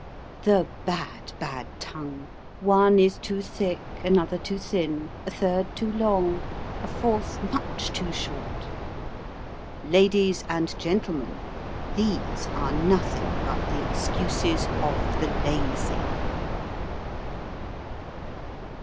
The bad, bad tongue ! one is too thick, another too thin, a third too long, a fourth much too short. Ladies and gentlemen, these are nothing but the excuses of the lazy